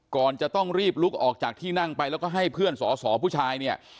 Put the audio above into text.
ก่อนจะต้องรีบลุกออกจากที่นั่งไปแล้วก็ให้เพื่อนสอสอผู้ชายเนี่ย